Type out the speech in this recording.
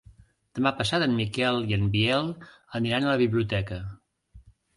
Demà passat en Miquel i en Biel aniran a la biblioteca.